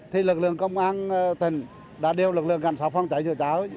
thì lực lượng công an thứ thiên huế đã đều lực lượng cảnh sát phòng chống cơn bão